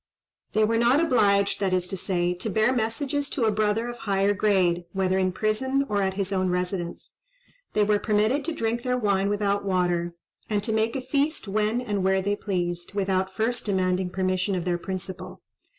They were not obliged, that is to say, to bear messages to a brother of higher grade, whether in prison or at his own residence. They were permitted to drink their wine without water, and to make a feast when and where they pleased, without first demanding permission of their principal.